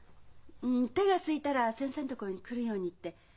「手がすいたら先生のところに来るように」って。